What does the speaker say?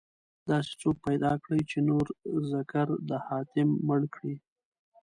داسې څوک پيدا کړئ، چې نور ذکر د حاتم مړ کړي